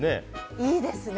いいですね。